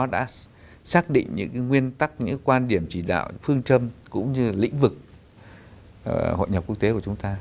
đã xác định những nguyên tắc những quan điểm chỉ đạo phương châm cũng như lĩnh vực hội nhập quốc tế của chúng ta